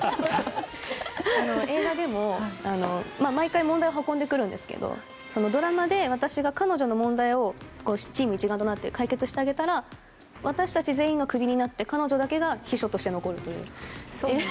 映画でも毎回問題を運んでくるんですけどドラマで私が、彼女の問題をチーム一丸となって解決してあげたら私たち全員がクビになって彼女だけが秘書として残るという。